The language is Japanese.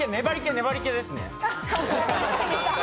粘り気ですね。